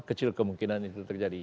kecil kemungkinan itu terjadi